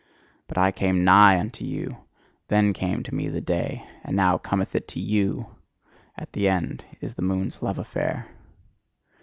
But I came NIGH unto you: then came to me the day, and now cometh it to you, at an end is the moon's love affair!